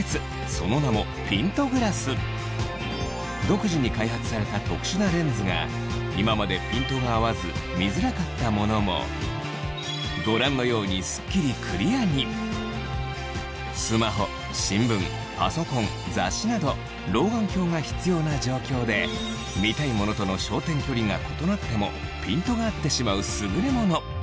その名も独自に開発された特殊なレンズが今までピントが合わず見づらかったものもご覧のようにすっきりクリアに雑誌など老眼鏡が必要な状況で見たいものとの焦点距離が異なってもピントが合ってしまう優れもの